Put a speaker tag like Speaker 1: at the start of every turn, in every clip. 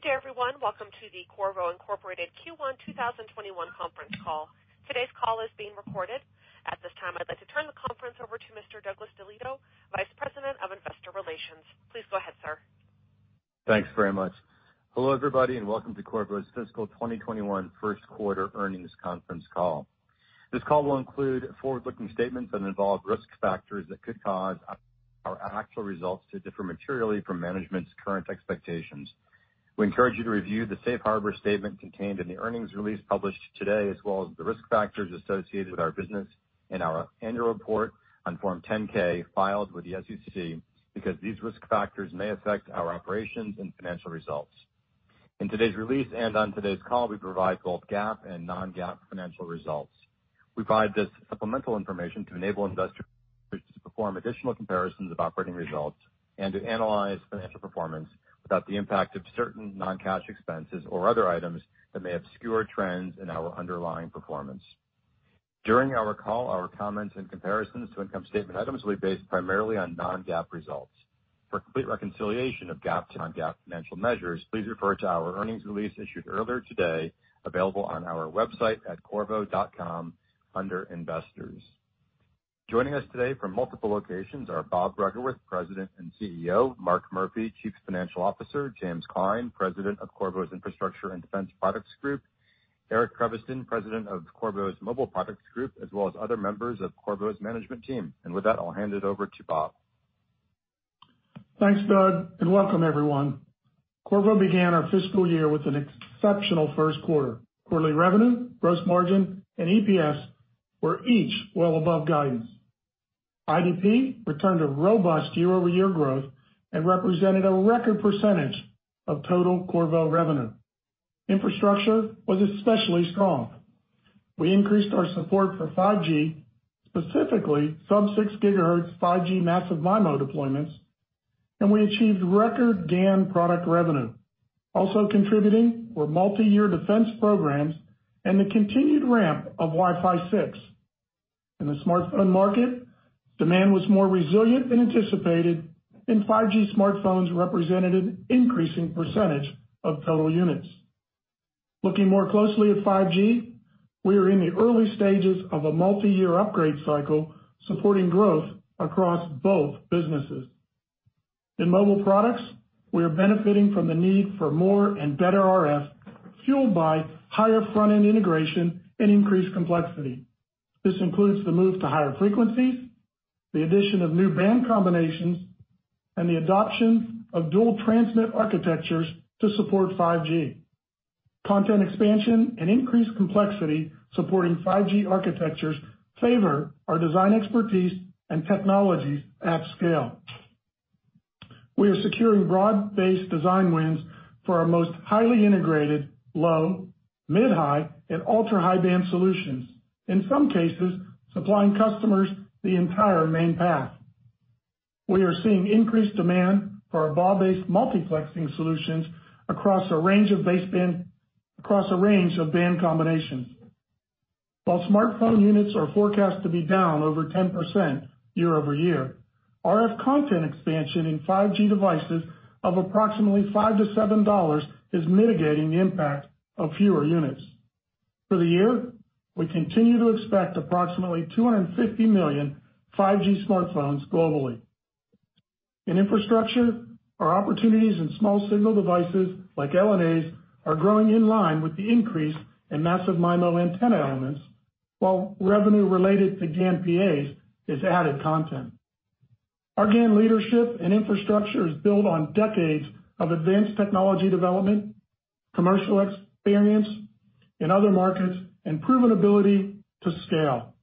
Speaker 1: Good day, everyone. Welcome to the Qorvo Inc Q1 2021 conference call. Today's call is being recorded. At this time, I'd like to turn the conference over to Mr. Douglas DeLieto, Vice President of Investor Relations. Please go ahead, sir.
Speaker 2: Thanks very much. Hello, everybody, welcome to Qorvo's fiscal 2021 first quarter earnings conference call. This call will include forward-looking statements that involve risk factors that could cause our actual results to differ materially from management's current expectations. We encourage you to review the safe harbor statement contained in the earnings release published today, as well as the risk factors associated with our business in our annual report on Form 10-K filed with the SEC because these risk factors may affect our operations and financial results. In today's release and on today's call, we provide both GAAP and non-GAAP financial results. We provide this supplemental information to enable investors to perform additional comparisons of operating results and to analyze financial performance without the impact of certain non-cash expenses or other items that may obscure trends in our underlying performance. During our call, our comments and comparisons to income statement items will be based primarily on non-GAAP results. For complete reconciliation of GAAP to non-GAAP financial measures, please refer to our earnings release issued earlier today, available on our website at qorvo.com under Investors. Joining us today from multiple locations are Bob Bruggeworth, President and CEO, Mark Murphy, Chief Financial Officer, James Klein, President of Qorvo's Infrastructure and Defense Products Group, Eric Creviston, President of Qorvo's Mobile Products Group, as well as other members of Qorvo's management team. With that, I'll hand it over to Bob.
Speaker 3: Thanks, Doug, and welcome everyone. Qorvo began our fiscal year with an exceptional first quarter. Quarterly revenue, gross margin, and EPS were each well above guidance. IDP returned a robust year-over-year growth and represented a record percentage of total Qorvo revenue. Infrastructure was especially strong. We increased our support for 5G, specifically sub-6 GHz 5G massive MIMO deployments, and we achieved record GaN product revenue. Also contributing were multiyear defense programs and the continued ramp of Wi-Fi 6. In the smartphone market, demand was more resilient than anticipated, and 5G smartphones represented an increasing percentage of total units. Looking more closely at 5G, we are in the early stages of a multiyear upgrade cycle supporting growth across both businesses. In Mobile Products, we are benefiting from the need for more and better RF, fueled by higher front-end integration and increased complexity. This includes the move to higher frequencies, the addition of new band combinations, and the adoption of dual transmit architectures to support 5G. Content expansion and increased complexity supporting 5G architectures favor our design expertise and technologies at scale. We are securing broad-based design wins for our most highly integrated low, mid-high, and ultra-high band solutions, in some cases supplying customers the entire main path. We are seeing increased demand for our BAW-based multiplexing solutions across a range of band combinations. While smartphone units are forecast to be down over 10% year-over-year, RF content expansion in 5G devices of approximately $5-$7 is mitigating the impact of fewer units. For the year, we continue to expect approximately 250 million 5G smartphones globally. In Infrastructure, our opportunities in small signal devices like LNAs are growing in line with the increase in massive MIMO antenna elements, while revenue related to GaN PAs is added content. Our GaN leadership and Infrastructure is built on decades of advanced technology development, commercial experience in other markets, and proven ability to scale.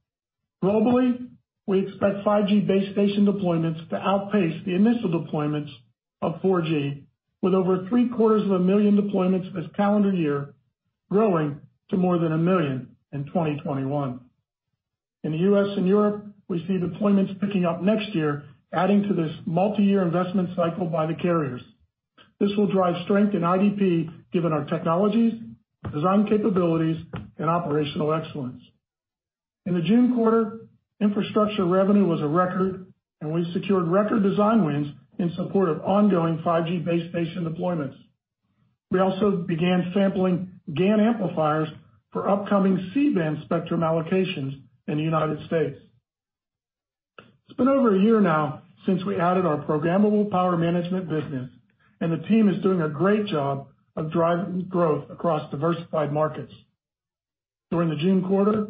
Speaker 3: Globally, we expect 5G base station deployments to outpace the initial deployments of 4G, with over 750,000 deployments this calendar year growing to more than 1 million in 2021. In the U.S. and Europe, we see deployments picking up next year, adding to this multiyear investment cycle by the carriers. This will drive strength in IDP given our technologies, design capabilities, and operational excellence. In the June quarter, Infrastructure revenue was a record, and we secured record design wins in support of ongoing 5G base station deployments. We also began sampling GaN amplifiers for upcoming C-band spectrum allocations in the U.S. It's been over a year now since we added our programmable power management business, and the team is doing a great job of driving growth across diversified markets. During the June quarter,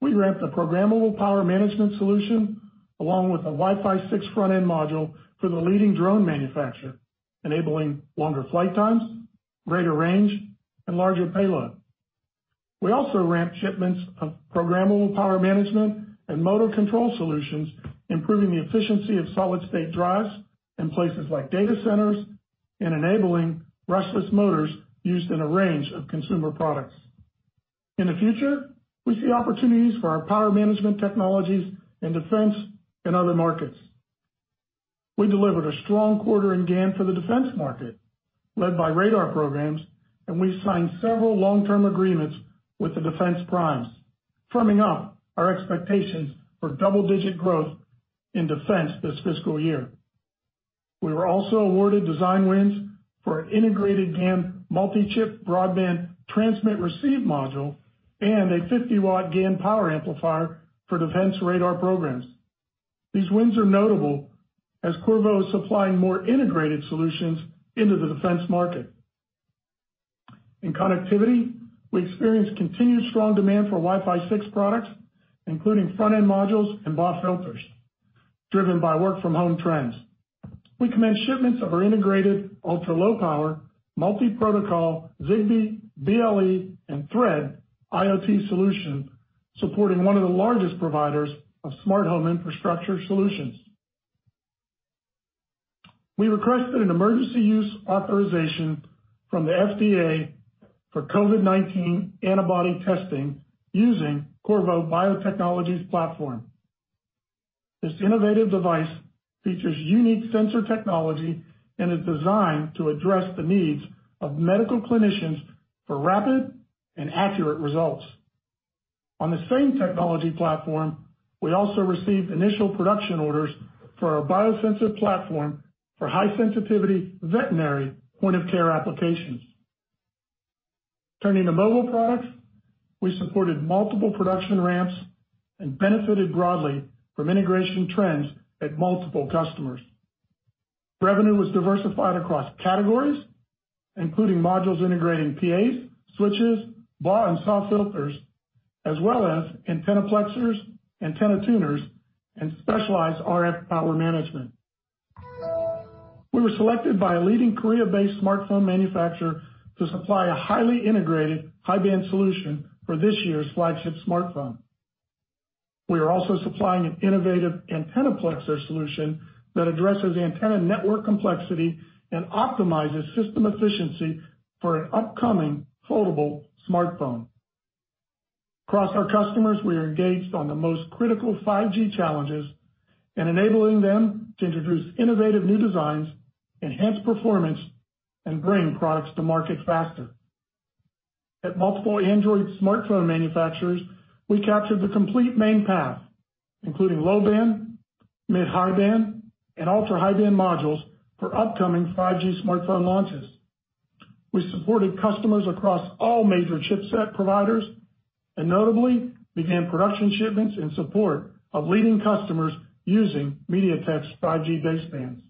Speaker 3: we ramped a programmable power management solution along with a Wi-Fi 6 front-end module for the leading drone manufacturer, enabling longer flight times, greater range, and larger payload. We also ramped shipments of programmable power management and motor control solutions, improving the efficiency of solid-state drives in places like data centers and enabling brushless motors used in a range of consumer products. In the future, we see opportunities for our power management technologies in defense and other markets. We delivered a strong quarter in GaN for the defense market, led by radar programs. We signed several long-term agreements with the defense primes, firming up our expectations for double-digit growth in defense this fiscal year. We were also awarded design wins for an integrated GaN multi-chip broadband transmit receive module and a 50-watt GaN power amplifier for defense radar programs. These wins are notable as Qorvo is supplying more integrated solutions into the defense market. In connectivity, we experienced continued strong demand for Wi-Fi 6 products, including front-end modules and BAW filters, driven by work from home trends. We commenced shipments of our integrated ultra-low power multi-protocol Zigbee, BLE, and Thread IoT solution, supporting one of the largest providers of smart home infrastructure solutions. We requested an emergency use authorization from the FDA for COVID-19 antibody testing using Qorvo Biotechnologies' platform. This innovative device features unique sensor technology and is designed to address the needs of medical clinicians for rapid and accurate results. On the same technology platform, we also received initial production orders for our biosensor platform for high sensitivity veterinary point of care applications. Turning to Mobile Products, we supported multiple production ramps and benefited broadly from integration trends at multiple customers. Revenue was diversified across categories, including modules integrating PAs, switches, BAW and SAW filters, as well as antenna-plexers, antenna tuners, and specialized RF power management. We were selected by a leading Korea-based smartphone manufacturer to supply a highly integrated high-band solution for this year's flagship smartphone. We are also supplying an innovative antenna-plexer solution that addresses antenna network complexity and optimizes system efficiency for an upcoming foldable smartphone. Across our customers, we are engaged on the most critical 5G challenges and enabling them to introduce innovative new designs, enhance performance, and bring products to market faster. At multiple Android smartphone manufacturers, we captured the complete main path, including low band, mid-high band, and ultra-high band modules for upcoming 5G smartphone launches. We supported customers across all major chipset providers and notably began production shipments in support of leading customers using MediaTek's 5G basebands.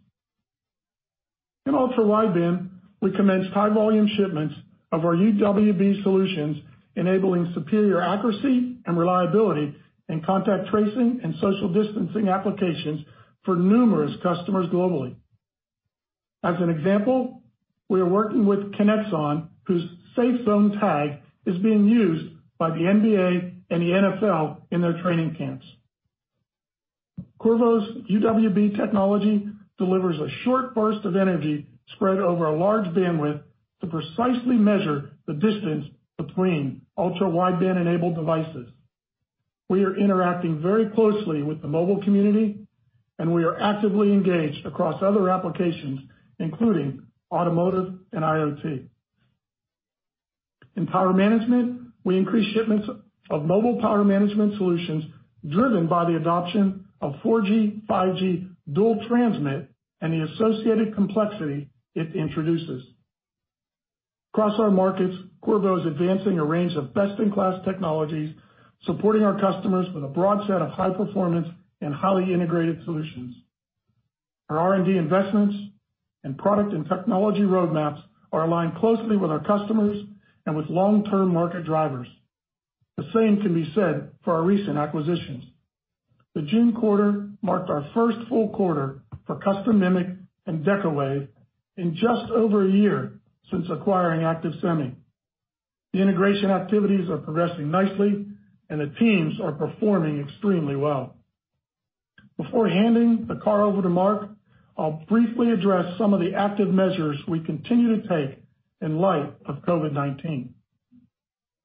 Speaker 3: In ultra-wideband, we commenced high volume shipments of our UWB solutions, enabling superior accuracy and reliability in contact tracing and social distancing applications for numerous customers globally. As an example, we are working with Kinexon, whose SafeZone tag is being used by the NBA and the NFL in their training camps. Qorvo's UWB technology delivers a short burst of energy spread over a large bandwidth to precisely measure the distance between ultra-wideband enabled devices. We are interacting very closely with the mobile community. We are actively engaged across other applications, including automotive and IoT. In power management, we increased shipments of mobile power management solutions driven by the adoption of 4G, 5G dual transmit and the associated complexity it introduces. Across our markets, Qorvo is advancing a range of best-in-class technologies, supporting our customers with a broad set of high performance and highly integrated solutions. Our R&D investments and product and technology roadmaps are aligned closely with our customers and with long-term market drivers. The same can be said for our recent acquisitions. The June quarter marked our first full quarter for Custom MMIC and Decawave in just over a year since acquiring Active-Semi. The integration activities are progressing nicely. The teams are performing extremely well. Before handing the call over to Mark, I'll briefly address some of the active measures we continue to take in light of COVID-19.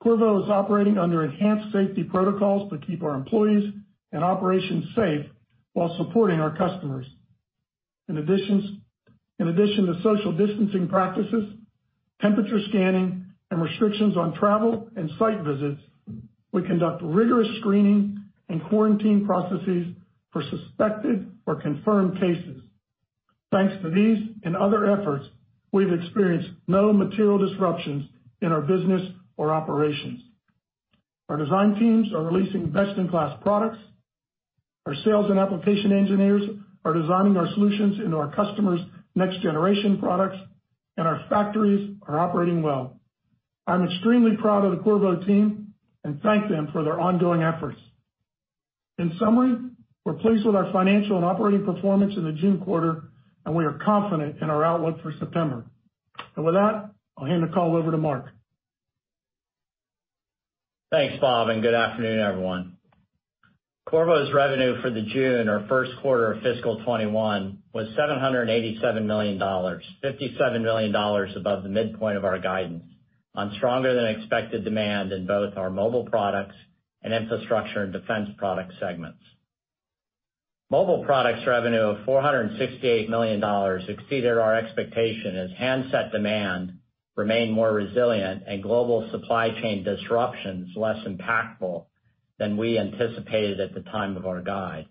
Speaker 3: Qorvo is operating under enhanced safety protocols to keep our employees and operations safe while supporting our customers. In addition to social distancing practices, temperature scanning, and restrictions on travel and site visits, we conduct rigorous screening and quarantine processes for suspected or confirmed cases. Thanks to these and other efforts, we've experienced no material disruptions in our business or operations. Our design teams are releasing best-in-class products. Our sales and application engineers are designing our solutions into our customers' next generation products, and our factories are operating well. I'm extremely proud of the Qorvo team and thank them for their ongoing efforts. In summary, we're pleased with our financial and operating performance in the June quarter, and we are confident in our outlook for September. With that, I'll hand the call over to Mark.
Speaker 4: Thanks, Bob. Good afternoon, everyone. Qorvo's revenue for the June or first quarter of fiscal 2021 was $787 million, $57 million above the midpoint of our guidance on stronger than expected demand in both our Mobile Products and Infrastructure and Defense Products segments. Mobile Products revenue of $468 million exceeded our expectation as handset demand remained more resilient and global supply chain disruptions less impactful than we anticipated at the time of our guide.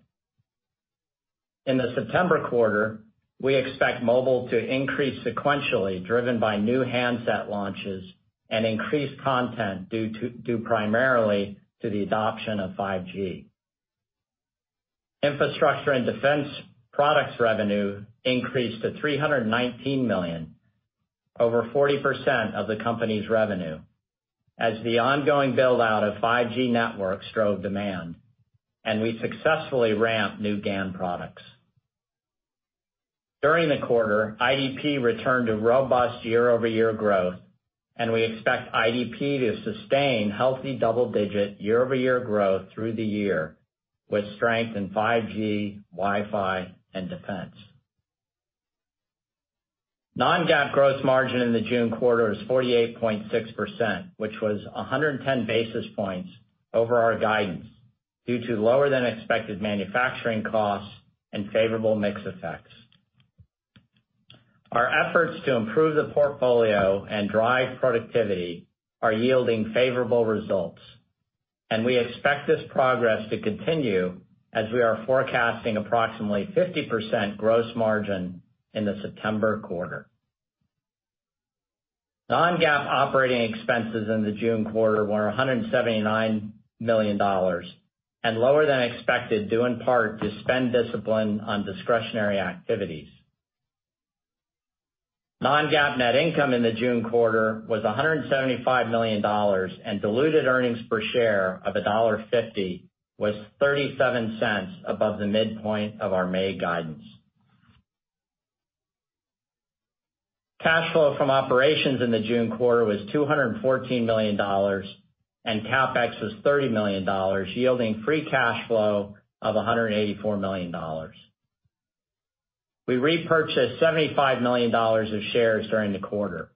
Speaker 4: In the September quarter, we expect Mobile to increase sequentially, driven by new handset launches and increased content due primarily to the adoption of 5G. Infrastructure and Defense Products revenue increased to $319 million, over 40% of the company's revenue, as the ongoing build-out of 5G networks drove demand, and we successfully ramped new GaN products. During the quarter, IDP returned to robust year-over-year growth. We expect IDP to sustain healthy double-digit year-over-year growth through the year with strength in 5G, Wi-Fi, and defense. Non-GAAP gross margin in the June quarter is 48.6%, which was 110 basis points over our guidance due to lower-than-expected manufacturing costs and favorable mix effects. Our efforts to improve the portfolio and drive productivity are yielding favorable results. We expect this progress to continue as we are forecasting approximately 50% gross margin in the September quarter. Non-GAAP operating expenses in the June quarter were $179 million, lower than expected due in part to spend discipline on discretionary activities. Non-GAAP net income in the June quarter was $175 million, diluted earnings per share of $1.50 was $0.37 above the midpoint of our May guidance. Cash flow from operations in the June quarter was $214 million. CapEx was $30 million, yielding free cash flow of $184 million. We repurchased $75 million of shares during the quarter.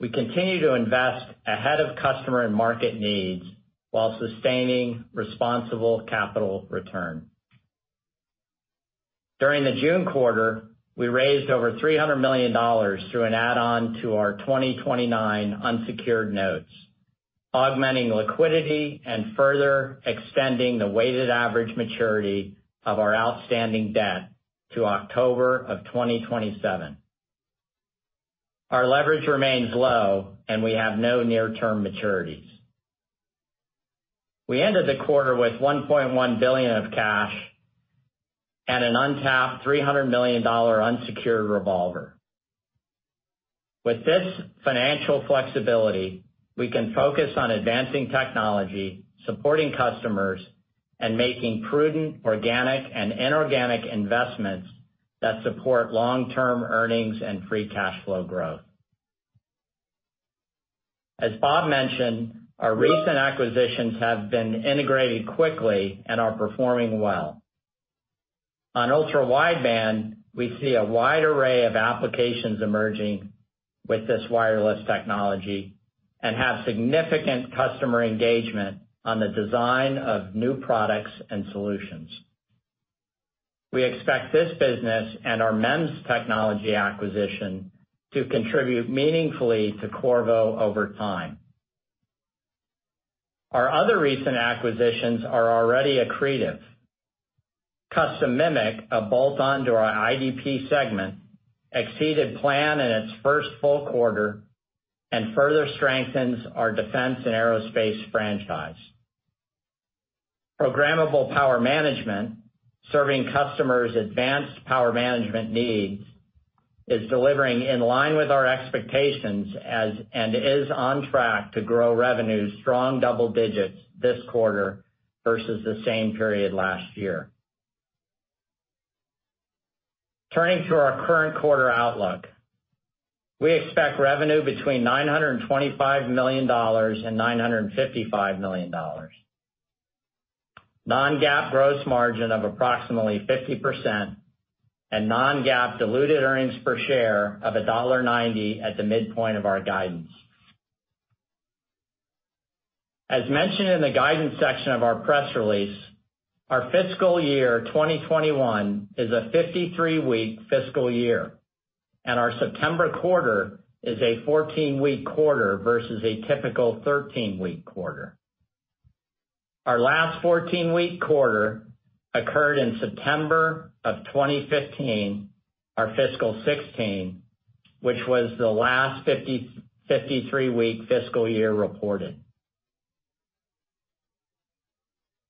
Speaker 4: We continue to invest ahead of customer and market needs while sustaining responsible capital return. During the June quarter, we raised over $300 million through an add-on to our 2029 unsecured notes, augmenting liquidity and further extending the weighted average maturity of our outstanding debt to October of 2027. Our leverage remains low. We have no near-term maturities. We ended the quarter with $1.1 billion of cash and an untapped $300 million unsecured revolver. With this financial flexibility, we can focus on advancing technology, supporting customers, and making prudent organic and inorganic investments that support long-term earnings and free cash flow growth. As Bob mentioned, our recent acquisitions have been integrated quickly and are performing well. On ultra-wideband, we see a wide array of applications emerging with this wireless technology and have significant customer engagement on the design of new products and solutions. We expect this business and our MEMS technology acquisition to contribute meaningfully to Qorvo over time. Our other recent acquisitions are already accretive. Custom MMIC, a bolt-on to our IDP segment, exceeded plan in its first full quarter and further strengthens our defense and aerospace franchise. Programmable power management, serving customers' advanced power management needs, is delivering in line with our expectations and is on track to grow revenues strong double digits this quarter versus the same period last year. Turning to our current quarter outlook. We expect revenue between $925 million and $955 million, non-GAAP gross margin of approximately 50%, and non-GAAP diluted earnings per share of $1.90 at the midpoint of our guidance. As mentioned in the guidance section of our press release, our fiscal year 2021 is a 53-week fiscal year, and our September quarter is a 14-week quarter versus a typical 13-week quarter. Our last 14-week quarter occurred in September of 2015, our fiscal 2016, which was the last 53-week fiscal year reported.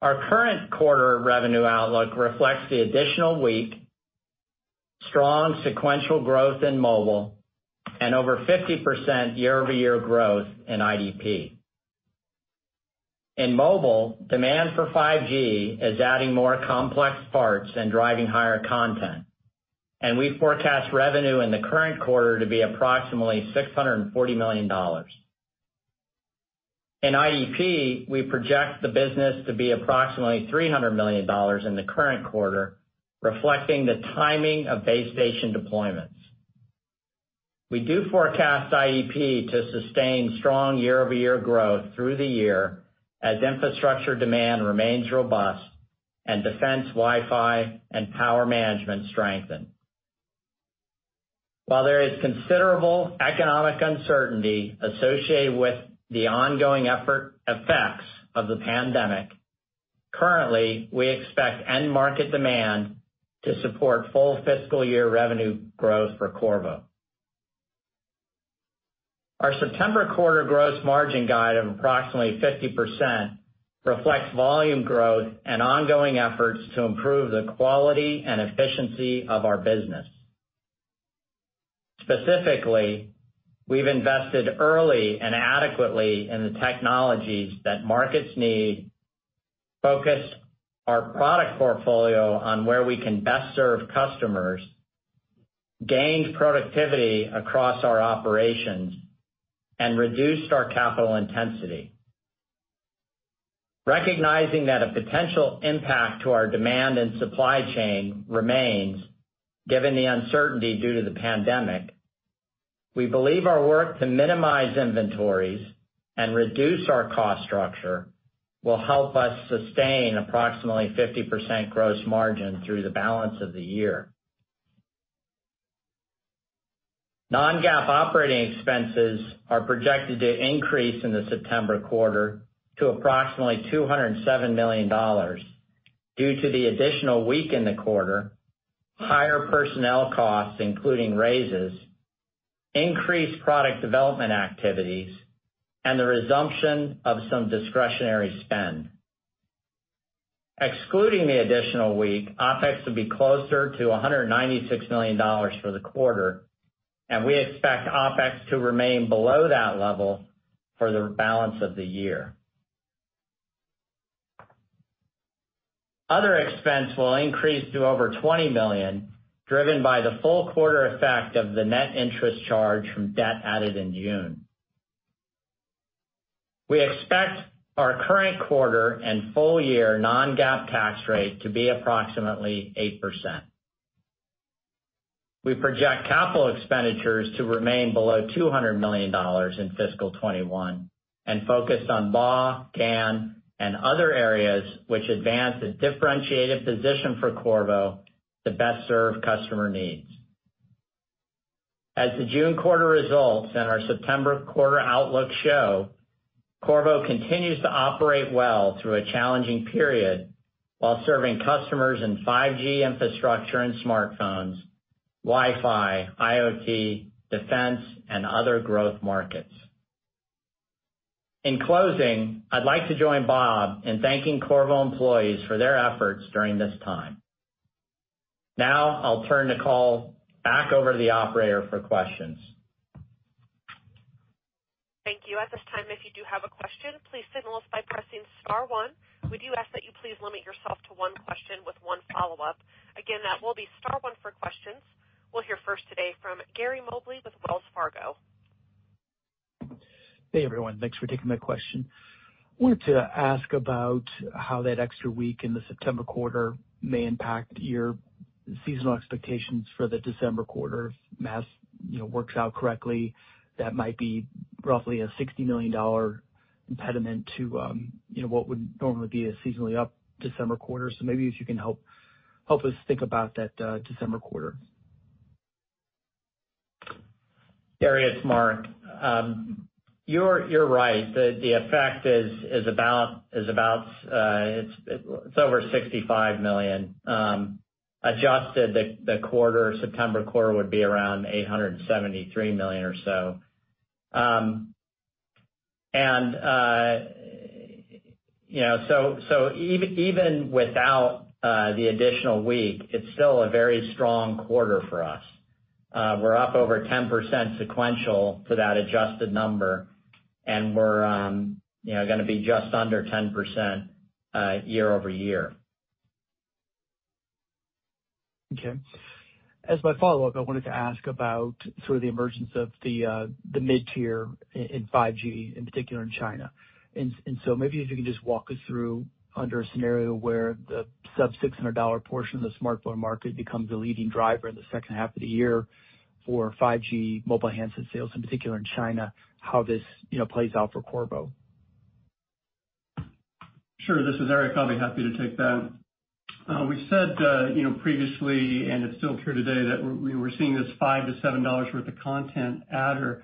Speaker 4: Our current quarter revenue outlook reflects the additional week, strong sequential growth in Mobile, and over 50% year-over-year growth in IDP. In Mobile, demand for 5G is adding more complex parts and driving higher content, and we forecast revenue in the current quarter to be approximately $640 million. In IDP, we project the business to be approximately $300 million in the current quarter, reflecting the timing of base station deployments. We do forecast IDP to sustain strong year-over-year growth through the year as infrastructure demand remains robust. Defense Wi-Fi and power management strengthen. While there is considerable economic uncertainty associated with the ongoing effects of the pandemic, currently, we expect end market demand to support full fiscal year revenue growth for Qorvo. Our September quarter gross margin guide of approximately 50% reflects volume growth and ongoing efforts to improve the quality and efficiency of our business. Specifically, we've invested early and adequately in the technologies that markets need, focused our product portfolio on where we can best serve customers, gained productivity across our operations, and reduced our capital intensity. Recognizing that a potential impact to our demand and supply chain remains, given the uncertainty due to the pandemic, we believe our work to minimize inventories and reduce our cost structure will help us sustain approximately 50% gross margin through the balance of the year. Non-GAAP operating expenses are projected to increase in the September quarter to approximately $207 million due to the additional week in the quarter, higher personnel costs, including raises, increased product development activities, and the resumption of some discretionary spend. Excluding the additional week, OpEx will be closer to $196 million for the quarter, and we expect OpEx to remain below that level for the balance of the year. Other expense will increase to over $20 million, driven by the full quarter effect of the net interest charge from debt added in June. We expect our current quarter and full year non-GAAP tax rate to be approximately 8%. We project capital expenditures to remain below $200 million in fiscal 2021, and focused on BAW, GaN, and other areas which advance a differentiated position for Qorvo to best serve customer needs. As the June quarter results and our September quarter outlook show, Qorvo continues to operate well through a challenging period while serving customers in 5G infrastructure and smartphones, Wi-Fi, IoT, defense, and other growth markets. In closing, I'd like to join Bob in thanking Qorvo employees for their efforts during this time. Now, I'll turn the call back over to the operator for questions.
Speaker 1: Thank you. At this time, if you do have a question, please signal us by pressing star one. We do ask that you please limit yourself to one question with one follow-up. Again, that will be star one for questions. We'll hear first today from Gary Mobley with Wells Fargo.
Speaker 5: Hey, everyone. Thanks for taking my question. I wanted to ask about how that extra week in the September quarter may impact your seasonal expectations for the December quarter. If math works out correctly, that might be roughly a $60 million impediment to what would normally be a seasonally up December quarter. Maybe if you can help us think about that December quarter.
Speaker 4: Gary, it's Mark. You're right. The effect is over $65 million. Adjusted, the September quarter would be around $873 million or so. Even without the additional week, it's still a very strong quarter for us. We're up over 10% sequential for that adjusted number, and we're going to be just under 10% year-over-year.
Speaker 5: Okay. As my follow-up, I wanted to ask about sort of the emergence of the mid-tier in 5G, in particular in China. Maybe if you can just walk us through, under a scenario where the sub-$600 portion of the smartphone market becomes the leading driver in the second half of the year for 5G mobile handset sales, in particular in China, how this plays out for Qorvo.
Speaker 6: Sure. This is Eric. I'll be happy to take that. We said previously, and it's still true today, that we were seeing this $5-$7 worth of content adder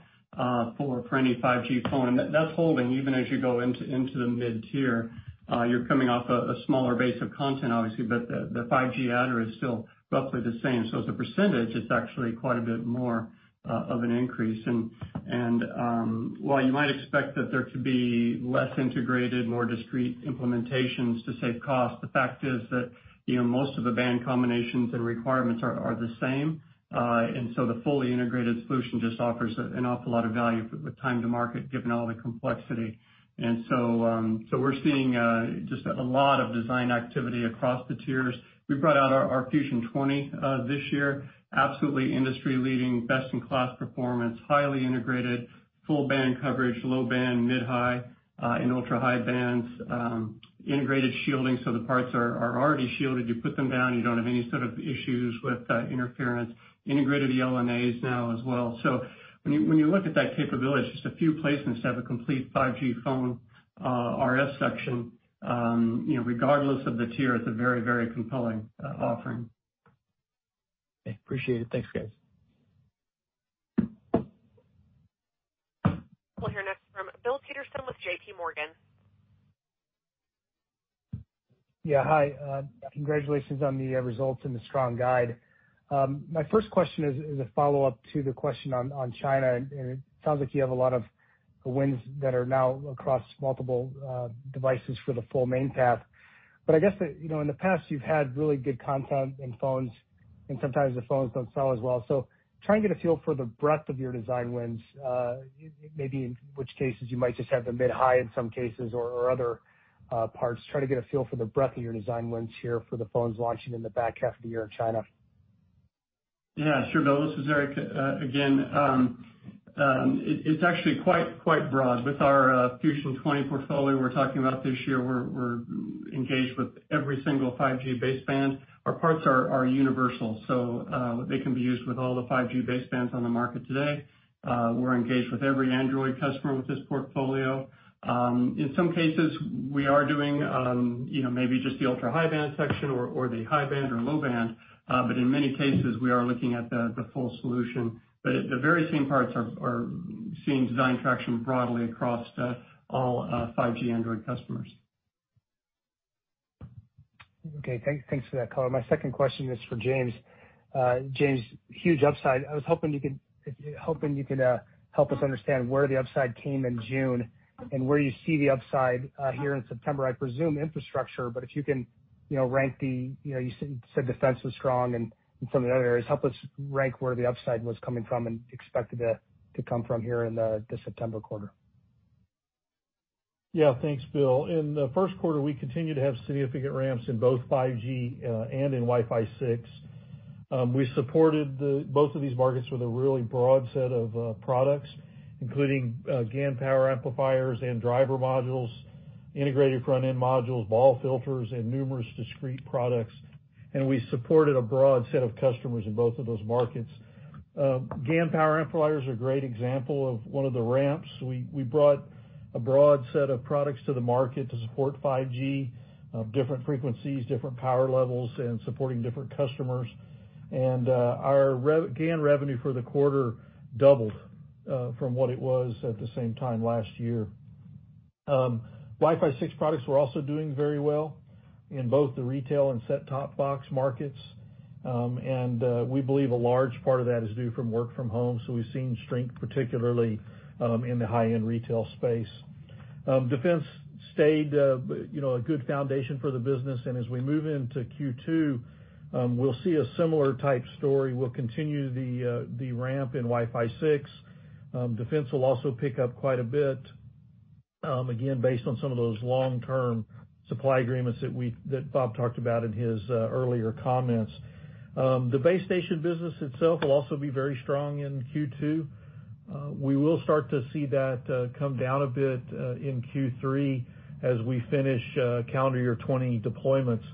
Speaker 6: for any 5G phone, and that's holding even as you go into the mid-tier. You're coming off a smaller base of content, obviously, but the 5G adder is still roughly the same. As a percentage, it's actually quite a bit more of an increase. While you might expect that there to be less integrated, more discrete implementations to save cost, the fact is that most of the band combinations and requirements are the same. The fully integrated solution just offers an awful lot of value with time to market, given all the complexity. We're seeing just a lot of design activity across the tiers. We brought out our Fusion 20 this year. Absolutely industry-leading, best-in-class performance, highly integrated, full band coverage, low band, mid-high, and ultra-high bands. Integrated shielding. The parts are already shielded. You put them down, you don't have any sort of issues with interference. Integrated LNAs now as well. When you look at that capability, it's just a few placements to have a complete 5G phone RS section. Regardless of the tier, it's a very compelling offering.
Speaker 5: Okay, appreciate it. Thanks, guys.
Speaker 1: We'll hear next from Bill Peterson with JPMorgan.
Speaker 7: Yeah, hi. Congratulations on the results and the strong guide. My first question is a follow-up to the question on China. It sounds like you have a lot of wins that are now across multiple devices for the full main path. I guess that in the past you've had really good content in phones and sometimes the phones don't sell as well. Trying to get a feel for the breadth of your design wins, maybe in which cases you might just have the mid-high in some cases, or other parts. Try to get a feel for the breadth of your design wins here for the phones launching in the back half of the year in China.
Speaker 6: Yeah, sure, Bill. This is Eric, again. It's actually quite broad with our Fusion 20 portfolio we're talking about this year, we're engaged with every single 5G baseband. Our parts are universal, so they can be used with all the 5G basebands on the market today. We're engaged with every Android customer with this portfolio. In some cases, we are doing maybe just the ultra-high-band section or the high band or low band. In many cases, we are looking at the full solution. The very same parts are seeing design traction broadly across all 5G Android customers.
Speaker 7: Okay, thanks for that color. My second question is for James. James, huge upside. I was hoping you could help us understand where the upside came in June and where you see the upside here in September. I presume infrastructure, but if you can rank, you said defense was strong and some of the other areas, help us rank where the upside was coming from and expected to come from here in the September quarter.
Speaker 8: Thanks, Bill. In the first quarter, we continued to have significant ramps in both 5G and in Wi-Fi 6. We supported both of these markets with a really broad set of products, including GaN power amplifiers and driver modules, integrated front-end modules, BAW filters, and numerous discrete products. We supported a broad set of customers in both of those markets. GaN power amplifiers are a great example of one of the ramps. We brought a broad set of products to the market to support 5G, different frequencies, different power levels, and supporting different customers. Our GaN revenue for the quarter doubled from what it was at the same time last year. Wi-Fi 6 products were also doing very well in both the retail and set-top box markets. We believe a large part of that is due from work from home. We've seen strength, particularly in the high-end retail space. Defense stayed a good foundation for the business, and as we move into Q2, we'll see a similar type story. We'll continue the ramp in Wi-Fi 6. Defense will also pick up quite a bit, again, based on some of those long-term supply agreements that Bob talked about in his earlier comments. The base station business itself will also be very strong in Q2. We will start to see that come down a bit in Q3 as we finish calendar year 2020 deployments,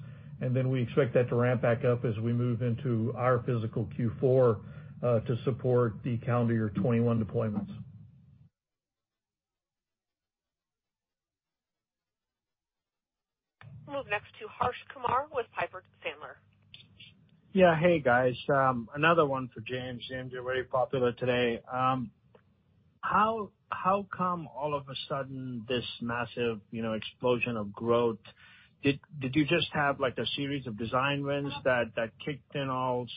Speaker 8: and then we expect that to ramp back up as we move into our fiscal Q4 to support the calendar year 2021 deployments.
Speaker 1: Move next to Harsh Kumar with Piper Sandler.
Speaker 9: Yeah. Hey, guys. Another one for James. James, you're very popular today. How come all of a sudden this massive explosion of growth? Did you just have a series of design wins that kicked in all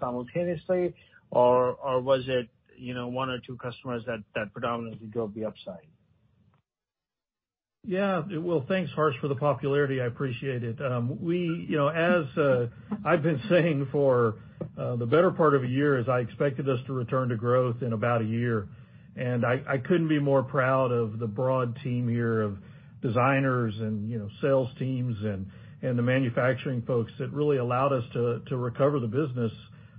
Speaker 9: simultaneously? Or was it one or two customers that predominantly drove the upside?
Speaker 8: Yeah. Well, thanks, Harsh, for the popularity. I appreciate it. As I've been saying for the better part of a year, is I expected us to return to growth in about a year, and I couldn't be more proud of the broad team here of designers and sales teams, and the manufacturing folks that really allowed us to recover the business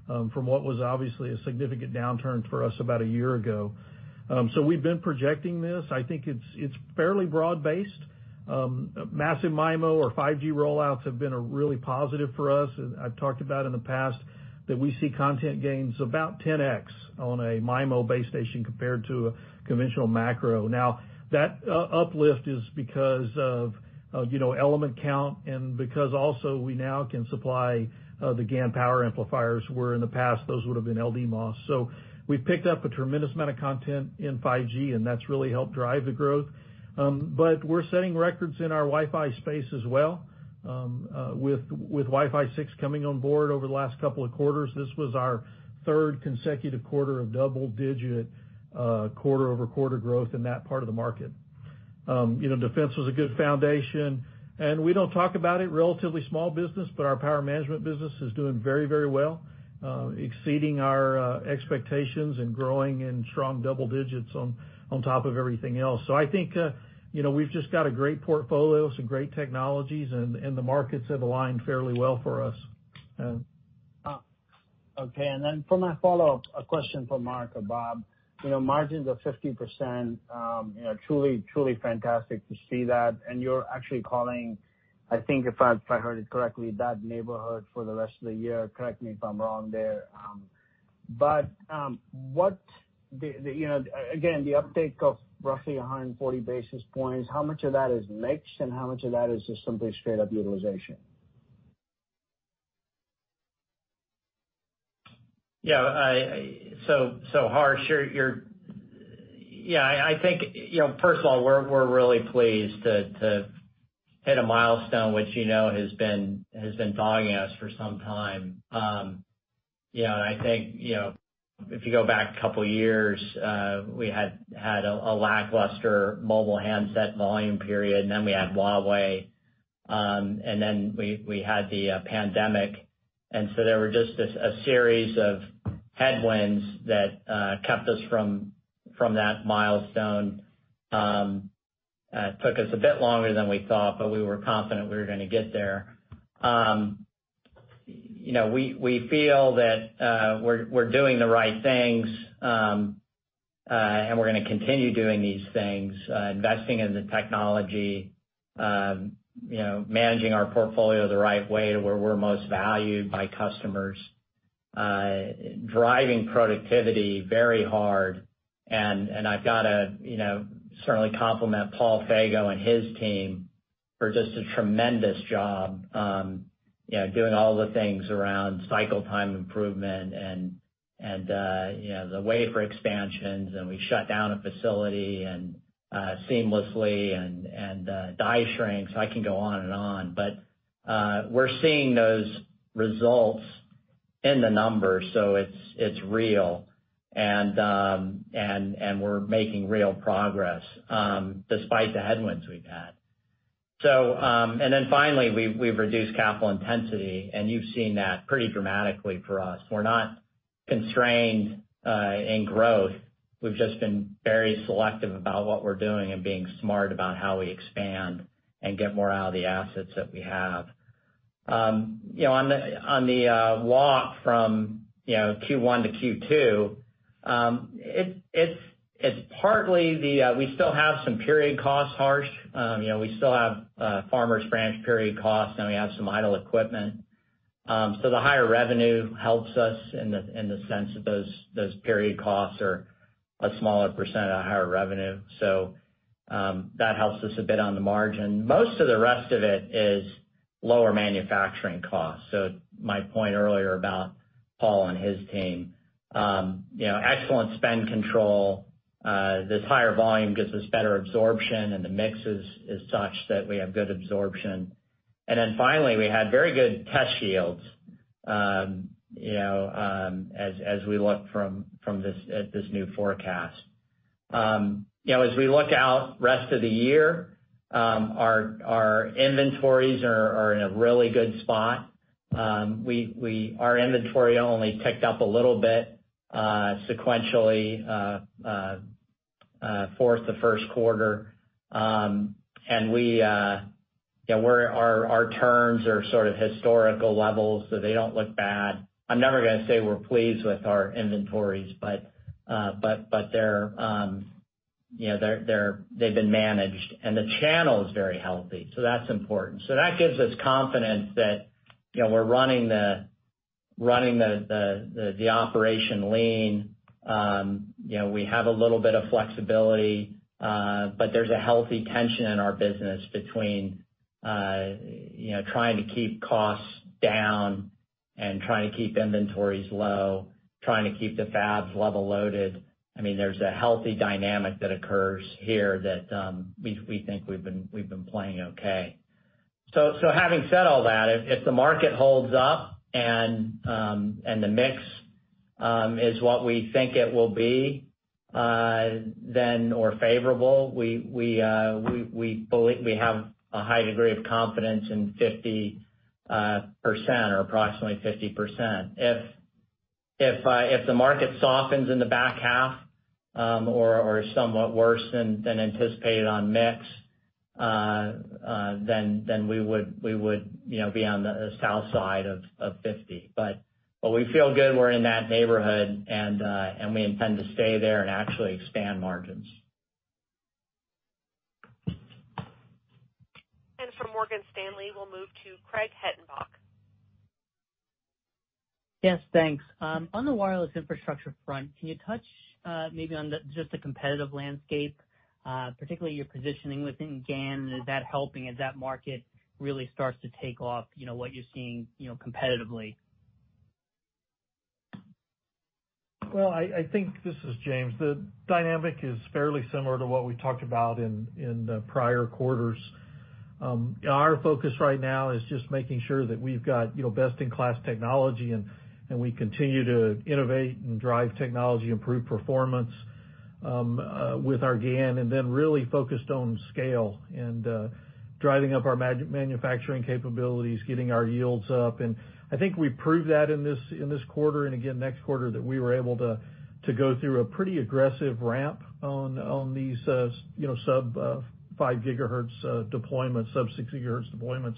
Speaker 8: from what was obviously a significant downturn for us about a year ago. We've been projecting this. I think it's fairly broad-based. Massive MIMO or 5G rollouts have been really positive for us. I've talked about in the past that we see content gains about 10X on a MIMO base station compared to a conventional macro. Now, that uplift is because of element count and because also we now can supply the GaN power amplifiers, where in the past, those would've been LDMOS. We've picked up a tremendous amount of content in 5G, and that's really helped drive the growth. We're setting records in our Wi-Fi space as well. With Wi-Fi 6 coming on board over the last couple of quarters, this was our third consecutive quarter of double-digit quarter-over-quarter growth in that part of the market. Defense was a good foundation, and we don't talk about it, relatively small business, but our power management business is doing very well, exceeding our expectations and growing in strong double digits on top of everything else. I think we've just got a great portfolio, some great technologies, and the markets have aligned fairly well for us.
Speaker 9: Okay, for my follow-up, a question for Mark or Bob. Margins of 50%, truly fantastic to see that. You're actually calling, I think if I heard it correctly, that neighborhood for the rest of the year, correct me if I'm wrong there, again, the uptake of roughly 140 basis points, how much of that is mix and how much of that is just simply straight up utilization?
Speaker 4: Yeah. Harsh, I think, first of all, we're really pleased to hit a milestone, which you know has been bugging us for some time. I think, if you go back a couple of years, we had a lackluster mobile handset volume period, we had Huawei, we had the pandemic. There was just a series of headwinds that kept us from that milestone. It took us a bit longer than we thought, we were confident we were going to get there. We feel that we're doing the right things, we're going to continue doing these things, investing in the technology, managing our portfolio the right way to where we're most valued by customers, driving productivity very hard. I've got to certainly compliment Paul Fego and his team for just a tremendous job doing all the things around cycle time improvement and the wafer expansions, and we shut down a facility seamlessly and die shrink, so I can go on and on. We're seeing those results in the numbers, so it's real, and we're making real progress despite the headwinds we've had. Finally, we've reduced capital intensity, and you've seen that pretty dramatically for us. We're not constrained in growth. We've just been very selective about what we're doing and being smart about how we expand and get more out of the assets that we have. On the walk from Q1 to Q2, it's partly we still have some period costs, Harsh. We still have Farmers Branch period costs, and we have some idle equipment. The higher revenue helps us in the sense that those period costs are a smaller percent of the higher revenue. That helps us a bit on the margin. Most of the rest of it is lower manufacturing costs. My point earlier about Paul and his team. Excellent spend control. This higher volume gives us better absorption, and the mix is such that we have good absorption. Finally, we had very good test yields as we look at this new forecast. As we look out rest of the year, our inventories are in a really good spot. Our inventory only ticked up a little bit sequentially for the first quarter. Our turns are sort of historical levels, so they don't look bad. I'm never going to say we're pleased with our inventories, but they've been managed, and the channel is very healthy, so that's important. That gives us confidence that we're running the operation lean. We have a little bit of flexibility, there's a healthy tension in our business between trying to keep costs down and trying to keep inventories low, trying to keep the fabs level loaded. There's a healthy dynamic that occurs here that we think we've been playing okay. Having said all that, if the market holds up and the mix is what we think it will be, then or favorable, we have a high degree of confidence in 50% or approximately 50%. If the market softens in the back half or is somewhat worse than anticipated on mix, then we would be on the south side of 50. We feel good we're in that neighborhood, and we intend to stay there and actually expand margins.
Speaker 1: From Morgan Stanley, we'll move to Craig Hettenbach.
Speaker 10: Yes, thanks. On the wireless infrastructure front, can you touch maybe on just the competitive landscape, particularly your positioning within GaN? Is that helping as that market really starts to take off, what you're seeing competitively?
Speaker 8: Well, I think, this is James. The dynamic is fairly similar to what we talked about in the prior quarters. Our focus right now is just making sure that we've got best-in-class technology, and we continue to innovate and drive technology, improve performance with our GaN, and then really focused on scale and driving up our manufacturing capabilities, getting our yields up. I think we proved that in this quarter and again next quarter that we were able to go through a pretty aggressive ramp on these sub-6 GHz deployments.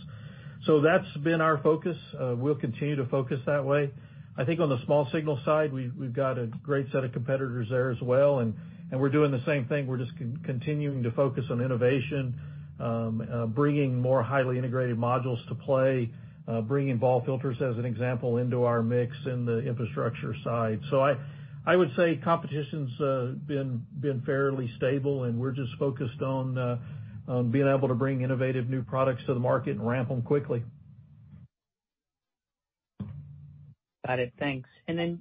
Speaker 8: That's been our focus. We'll continue to focus that way. I think on the small signal side, we've got a great set of competitors there as well, and we're doing the same thing. We're just continuing to focus on innovation, bringing more highly integrated modules to play. Bringing BAW filters, as an example, into our mix in the Infrastructure side. I would say competition's been fairly stable, and we're just focused on being able to bring innovative new products to the market and ramp them quickly.
Speaker 10: Got it. Thanks.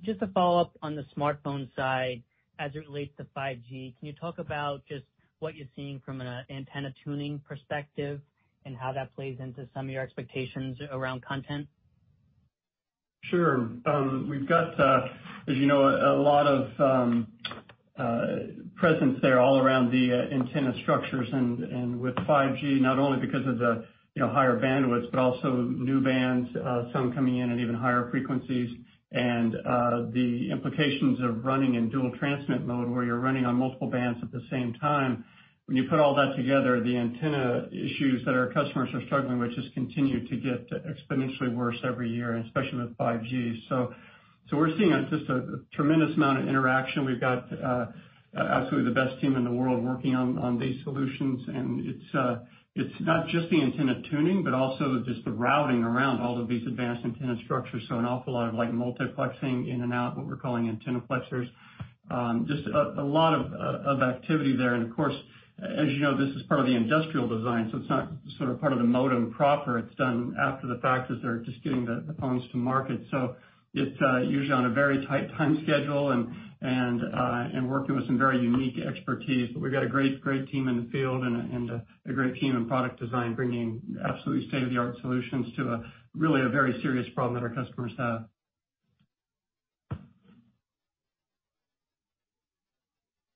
Speaker 10: Just a follow-up on the smartphone side as it relates to 5G. Can you talk about just what you're seeing from an antenna tuning perspective and how that plays into some of your expectations around content?
Speaker 6: Sure. We've got, as you know, a lot of presence there all around the antenna structures and with 5G, not only because of the higher bandwidth but also new bands, some coming in at even higher frequencies, and the implications of running in dual transmit mode where you're running on multiple bands at the same time. When you put all that together, the antenna issues that our customers are struggling with just continue to get exponentially worse every year, and especially with 5G. We're seeing just a tremendous amount of interaction. We've got absolutely the best team in the world working on these solutions, and it's not just the antenna tuning, but also just the routing around all of these advanced antenna structures. An awful lot of multiplexing in and out, what we're calling antenna-plexers. Just a lot of activity there. Of course, as you know, this is part of the industrial design, so it's not sort of part of the modem proper. It's done after the fact as they're just getting the phones to market. It's usually on a very tight time schedule and working with some very unique expertise. We've got a great team in the field and a great team in product design, bringing absolutely state-of-the-art solutions to really a very serious problem that our customers have.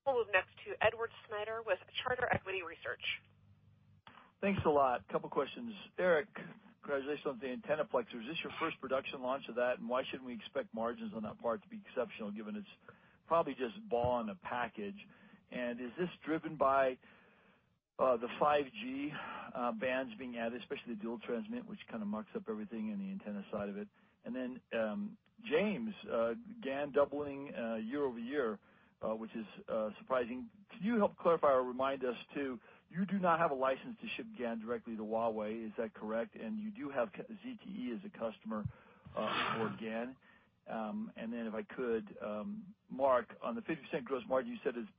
Speaker 1: We'll move next to Edward Snyder with Charter Equity Research.
Speaker 11: Thanks a lot. Couple of questions. Eric, congratulations on the antenna-plexers. Is this your first production launch of that? Why shouldn't we expect margins on that part to be exceptional, given it's probably just BAW in a package? Is this driven by the 5G bands being added, especially the dual transmit, which kind of mucks up everything in the antenna side of it? James, GaN doubling year-over-year, which is surprising. Could you help clarify or remind us too, you do not have a license to ship GaN directly to Huawei; is that correct? You do have ZTE as a customer for GaN. If I could, Mark, on the 50% gross margin, you said it's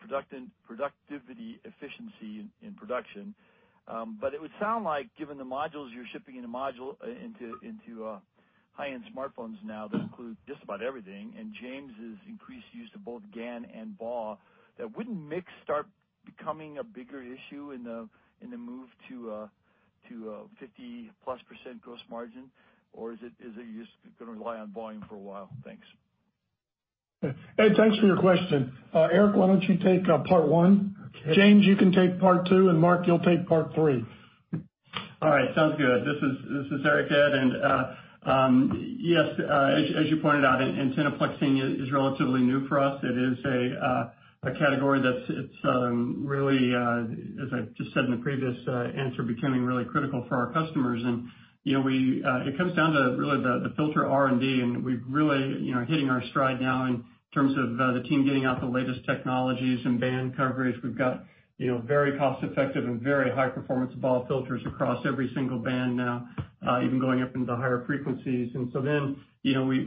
Speaker 11: productivity efficiency in production. It would sound like given the modules you're shipping into high-end smartphones now that include just about everything, and James' increased use of both GaN and BAW, that wouldn't mix start becoming a bigger issue in the move to a +50% gross margin? Is it just gonna rely on volume for a while? Thanks.
Speaker 3: Ed, thanks for your question. Eric, why don't you take part one?
Speaker 6: Okay.
Speaker 3: James, you can take part 2, and Mark, you'll take part 3.
Speaker 6: All right, sounds good. This is Eric, Ed. Yes, as you pointed out, antenna plexing is relatively new for us. It is a category that's really, as I just said in the previous answer, becoming really critical for our customers. It comes down to really the filter R&D. We're really hitting our stride now in terms of the team getting out the latest technologies and band coverage. We've got very cost-effective and very high-performance BAW filters across every single band now, even going up into higher frequencies. We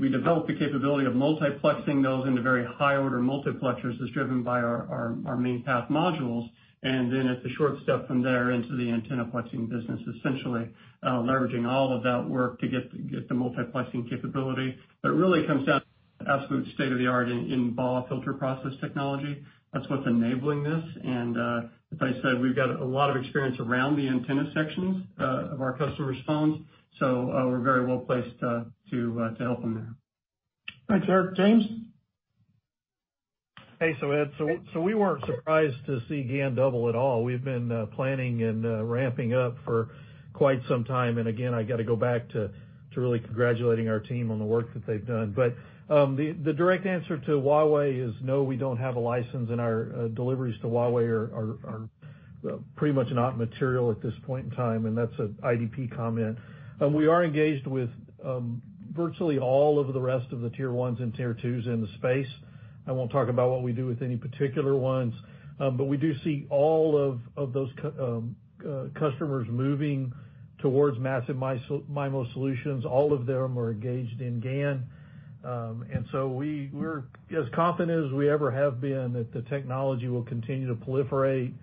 Speaker 6: developed the capability of multiplexing those into very high-order multiplexers as driven by our main path modules. It's a short step from there into the antenna plexing business, essentially leveraging all of that work to get the multiplexing capability. It really comes down to absolute state of the art in BAW filter process technology. That's what's enabling this. As I said, we've got a lot of experience around the antenna sections of our customers' phones, so we're very well-placed to help them there.
Speaker 3: Thanks, Eric. James?
Speaker 8: Hey. Ed, we weren't surprised to see GaN double at all. We've been planning and ramping up for quite some time. Again, I got to go back to really congratulating our team on the work that they've done. The direct answer to Huawei is no, we don't have a license, and our deliveries to Huawei are pretty much not material at this point in time, and that's an IDP comment. We are engaged with virtually all of the rest of the tier 1s and tier 2s in the space. I won't talk about what we do with any particular ones, we do see all of those customers moving towards massive MIMO solutions. All of them are engaged in GaN. We're as confident as we ever have been that the technology will continue to proliferate,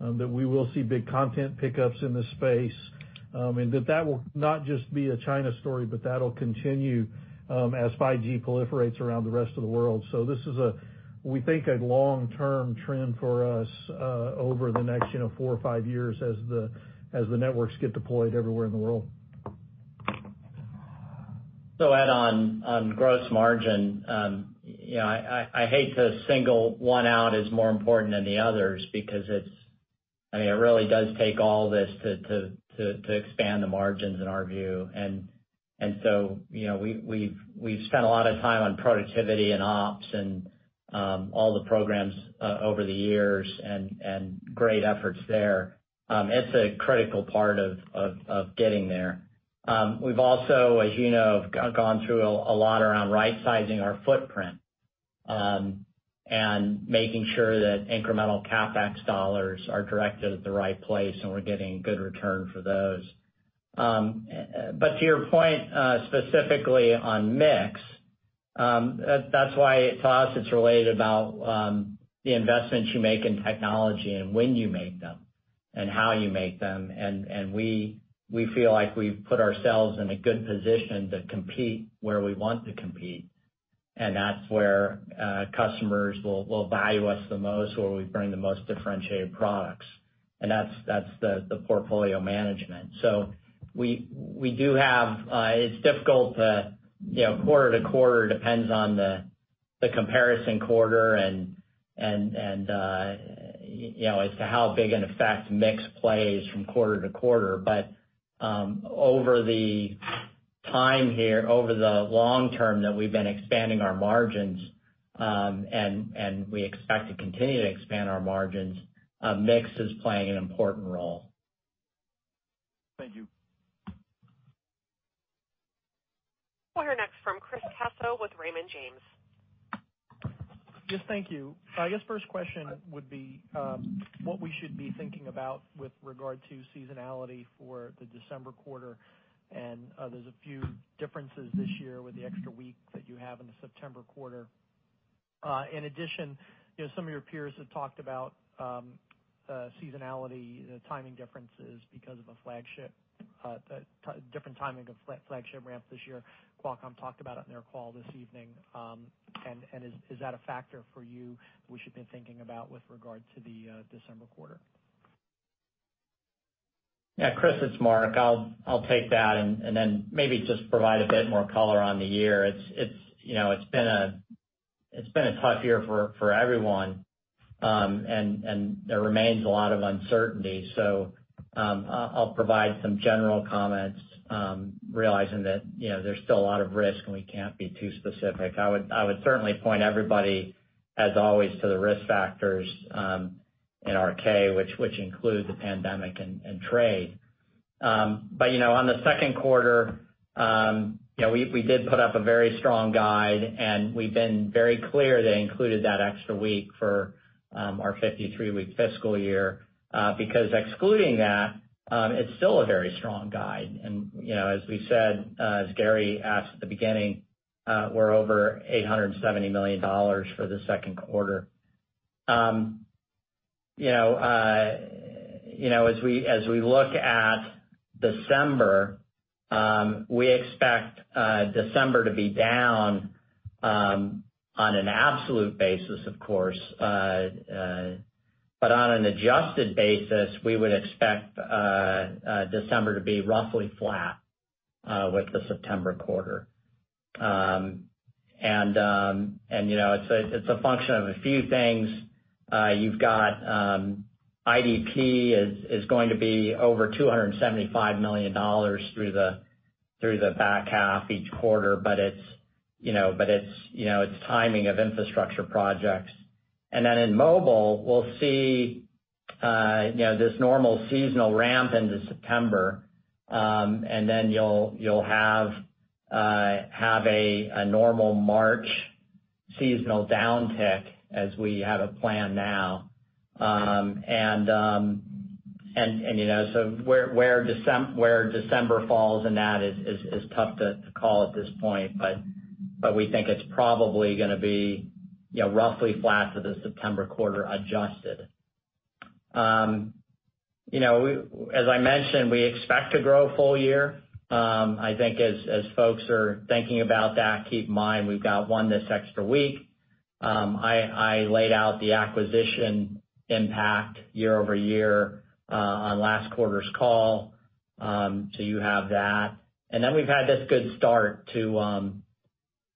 Speaker 8: that we will see big content pickups in this space, and that will not just be a China story, but that'll continue as 5G proliferates around the rest of the world. This is, we think, a long-term trend for us over the next four or five years as the networks get deployed everywhere in the world.
Speaker 4: Ed, on gross margin, I hate to single one out as more important than the others because it really does take all this to expand the margins in our view. We've spent a lot of time on productivity and ops and all the programs over the years and great efforts there. It's a critical part of getting there. We've also, as you know, have gone through a lot around right-sizing our footprint and making sure that incremental CapEx dollars are directed at the right place, and we're getting good return for those. To your point, specifically on mix, that's why to us it's really about the investments you make in technology and when you make them and how you make them. We feel like we've put ourselves in a good position to compete where we want to compete. That's where customers will value us the most, where we bring the most differentiated products. That's the portfolio management. It's difficult to quarter to quarter depends on the comparison quarter and as to how big an effect mix plays from quarter to quarter. Over the time here, over the long term that we've been expanding our margins, and we expect to continue to expand our margins, mix is playing an important role.
Speaker 11: Thank you.
Speaker 1: We'll hear next from Chris Caso with Raymond James.
Speaker 12: Yes. Thank you. I guess first question would be what we should be thinking about with regard to seasonality for the December quarter. There's a few differences this year with the extra week that you have in the September quarter. In addition, some of your peers have talked about seasonality, the timing differences because of different timing of flagship ramps this year. Qualcomm talked about it in their call this evening. Is that a factor for you we should be thinking about with regard to the December quarter?
Speaker 4: Yeah, Chris, it's Mark. I'll take that and then maybe just provide a bit more color on the year. It's been a tough year for everyone. There remains a lot of uncertainty. I'll provide some general comments realizing that there's still a lot of risk, and we can't be too specific. I would certainly point everybody, as always, to the risk factors in our K, which include the pandemic and trade. On the second quarter, we did put up a very strong guide, and we've been very clear that included that extra week for our 53-week fiscal year. Because excluding that, it's still a very strong guide. As we said, as Gary asked at the beginning, we're over $870 million for the second quarter. As we look at December, we expect December to be down on an absolute basis, of course. On an adjusted basis, we would expect December to be roughly flat with the September quarter. It's a function of a few things. You've got IDP is going to be over $275 million through the back half each quarter. It's timing of infrastructure projects. In mobile, we'll see this normal seasonal ramp into September, and then you'll have a normal March seasonal down tick as we have it planned now. Where December falls in that is tough to call at this point. We think it's probably going to be roughly flat to the September quarter adjusted. As I mentioned, we expect to grow full year. I think as folks are thinking about that, keep in mind we've got one extra week. I laid out the acquisition impact year-over-year on last quarter's call. You have that. We've had this good start to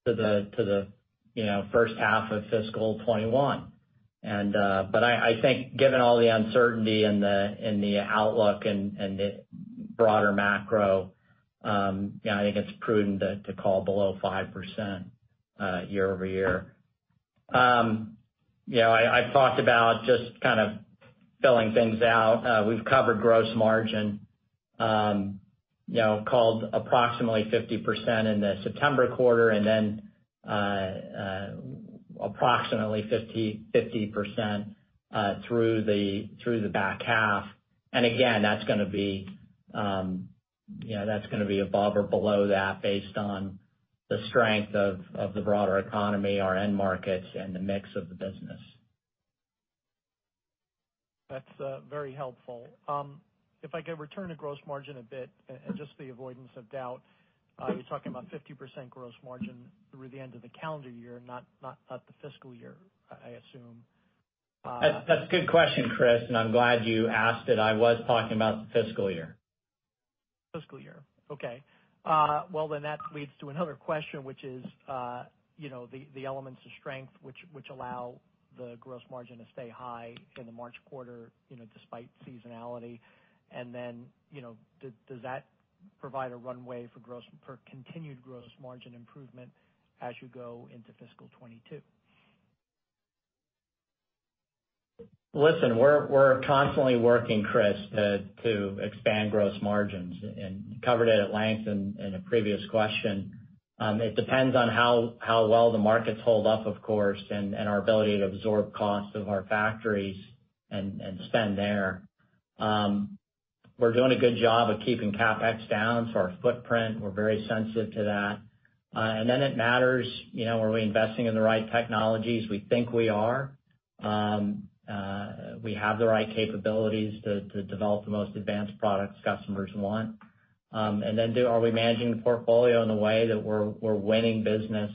Speaker 4: the first half of fiscal 2021. I think given all the uncertainty in the outlook and the broader macro, I think it's prudent to call below 5% year-over-year. I've talked about just kind of filling things out. We've covered gross margin, called approximately 50% in the September quarter, and then approximately 50% through the back half. Again, that's going to be above or below that based on the strength of the broader economy, our end markets, and the mix of the business.
Speaker 12: That's very helpful. If I could return to gross margin a bit and just the avoidance of doubt, you're talking about 50% gross margin through the end of the calendar year, not the fiscal year, I assume?
Speaker 4: That's a good question, Chris, and I'm glad you asked it. I was talking about the fiscal year.
Speaker 12: Fiscal year. Okay. Well, that leads to another question, which is the elements of strength which allow the gross margin to stay high in the March quarter despite seasonality. Does that provide a runway for continued gross margin improvement as you go into fiscal 2022?
Speaker 4: Listen, we're constantly working, Chris, to expand gross margins, and you covered it at length in a previous question. It depends on how well the markets hold up, of course, and our ability to absorb cost of our factories and spend there. We're doing a good job of keeping CapEx down, so our footprint, we're very sensitive to that. It matters, are we investing in the right technologies? We think we are. We have the right capabilities to develop the most advanced products customers want. Are we managing the portfolio in a way that we're winning business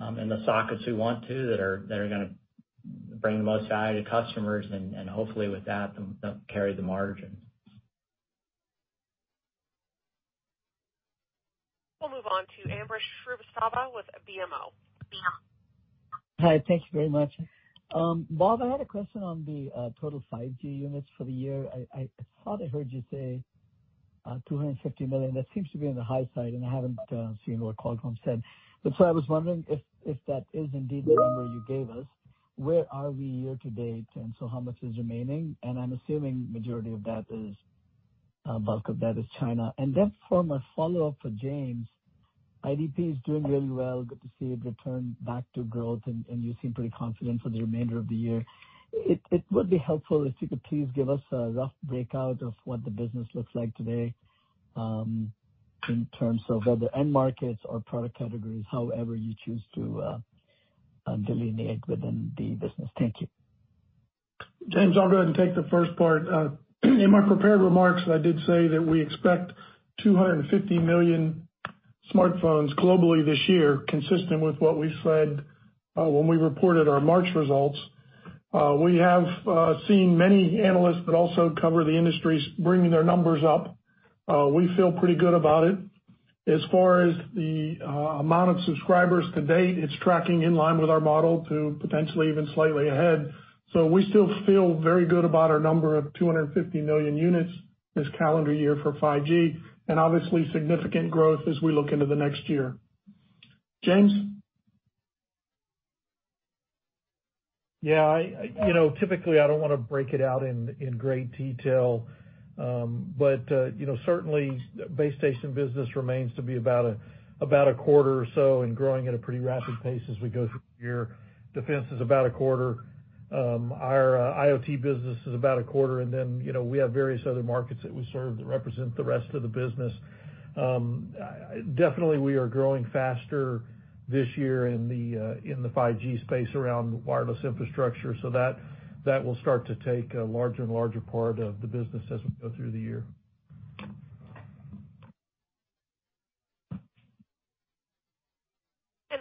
Speaker 4: in the sockets we want to, that are going to bring the most value to customers, and hopefully with that, they'll carry the margin.
Speaker 1: We'll move on to Ambrish Srivastava with BMO.
Speaker 13: Hi, thank you very much. Bob, I had a question on the total 5G units for the year. I thought I heard you say 250 million. That seems to be on the high side. I haven't seen what Qualcomm said. I was wondering if that is indeed the number you gave us, where are we year-to-date, how much is remaining? I'm assuming the bulk of that is China. For my follow-up for James, IDP is doing really well. Good to see it return back to growth. You seem pretty confident for the remainder of the year. It would be helpful if you could please give us a rough breakout of what the business looks like today, in terms of whether end markets or product categories, however you choose to delineate within the business. Thank you.
Speaker 3: James, I'll go ahead and take the first part. In my prepared remarks, I did say that we expect 250 million smartphones globally this year, consistent with what we said when we reported our March results. We have seen many analysts that also cover the industries bringing their numbers up. We feel pretty good about it. As far as the amount of subscribers to date, it's tracking in line with our model to potentially even slightly ahead. We still feel very good about our number of 250 million units this calendar year for 5G, and obviously significant growth as we look into the next year. James?
Speaker 8: Yeah. Typically, I don't want to break it out in great detail. Certainly base station business remains to be about a quarter or so and growing at a pretty rapid pace as we go through the year. Defense is about a quarter. Our IoT business is about a quarter. We have various other markets that we serve that represent the rest of the business. Definitely, we are growing faster this year in the 5G space around wireless infrastructure, that will start to take a larger and larger part of the business as we go through the year.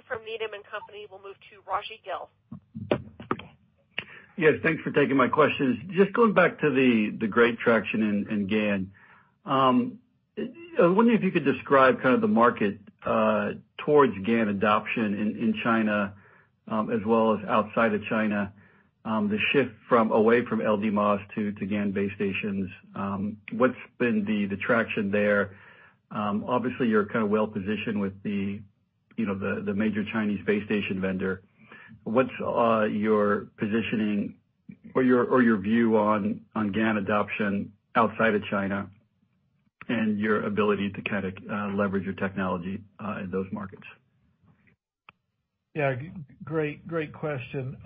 Speaker 1: From Needham & Company, we'll move to Rajvindra Gill.
Speaker 14: Yes, thanks for taking my questions. Just going back to the great traction in GaN. I was wondering if you could describe the market towards GaN adoption in China, as well as outside of China, the shift away from LDMOS to GaN base stations. What's been the traction there? Obviously, you're well-positioned with the major Chinese base station vendor. What's your positioning or your view on GaN adoption outside of China, and your ability to leverage your technology in those markets?
Speaker 8: Yeah, great question.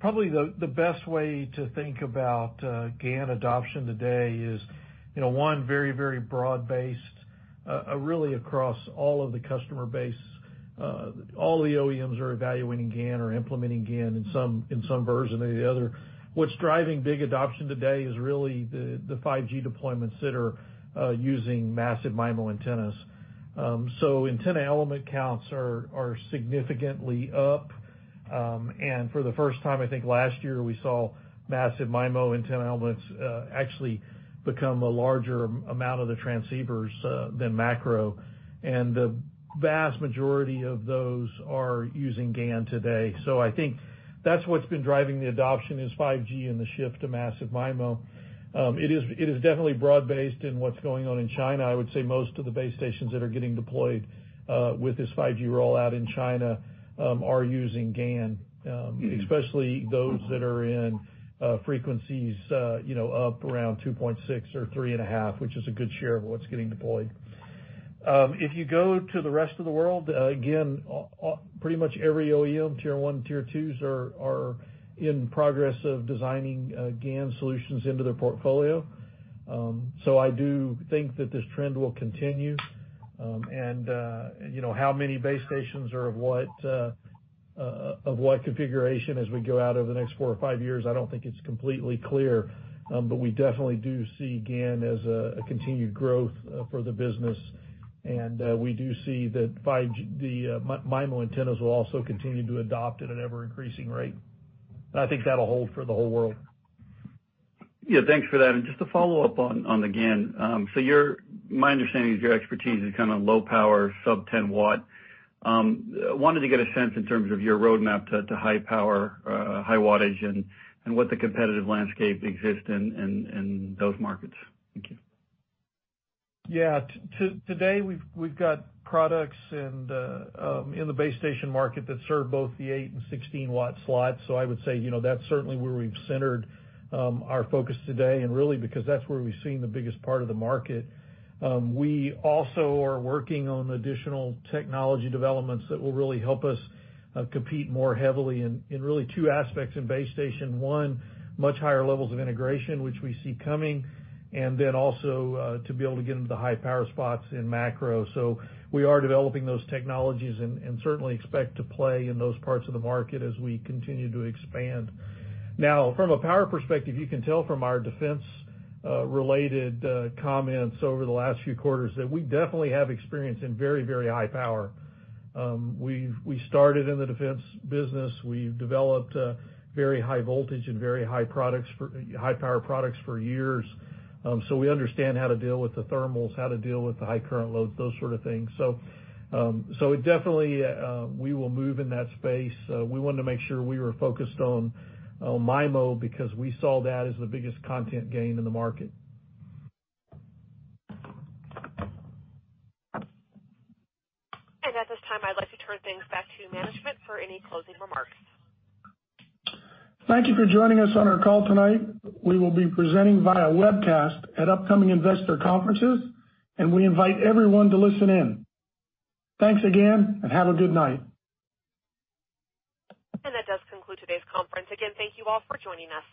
Speaker 8: Probably the best way to think about GaN adoption today is one very broad-based, really across all of the customer base. All the OEMs are evaluating GaN or implementing GaN in some version or the other. What's driving big adoption today is really the 5G deployments that are using massive MIMO antennas. Antenna element counts are significantly up. For the first time, I think last year, we saw massive MIMO antenna elements actually become a larger amount of the transceivers than macro, and the vast majority of those are using GaN today. I think that's what's been driving the adoption, is 5G and the shift to massive MIMO. It is definitely broad-based in what's going on in China. I would say most of the base stations that are getting deployed with this 5G rollout in China are using GaN, especially those that are in frequencies up around 2.6 or 3 and a half, which is a good share of what's getting deployed. If you go to the rest of the world, again, pretty much every OEM, tier 1, tier 2s, are in progress of designing GaN solutions into their portfolio. I do think that this trend will continue. How many base stations or of what configuration as we go out over the next four or five years, I don't think it's completely clear. We definitely do see GaN as a continued growth for the business. We do see that the MIMO antennas will also continue to adopt at an ever-increasing rate. I think that'll hold for the whole world.
Speaker 14: Yeah, thanks for that. Just to follow up on the GaN. My understanding is your expertise is low power, sub 10 watt. Wanted to get a sense in terms of your roadmap to high power, high wattage, and what the competitive landscape exists in those markets. Thank you.
Speaker 8: Yeah. Today, we've got products in the base station market that serve both the 8 and 16 watt slots. I would say, that's certainly where we've centered our focus today, and really because that's where we've seen the biggest part of the market. We also are working on additional technology developments that will really help us compete more heavily in really two aspects in base station. One, much higher levels of integration, which we see coming, and then also to be able to get into the high-power spots in macro. We are developing those technologies and certainly expect to play in those parts of the market as we continue to expand. Now, from a power perspective, you can tell from our defense-related comments over the last few quarters, that we definitely have experience in very high power. We started in the defense business. We've developed very high voltage and very high power products for years. We understand how to deal with the thermals, how to deal with the high current loads, those sort of things. Definitely, we will move in that space. We wanted to make sure we were focused on MIMO because we saw that as the biggest content gain in the market.
Speaker 1: At this time, I'd like to turn things back to management for any closing remarks.
Speaker 3: Thank you for joining us on our call tonight. We will be presenting via webcast at upcoming investor conferences, and we invite everyone to listen in. Thanks again, and have a good night.
Speaker 1: That does conclude today's conference. Again, thank you all for joining us.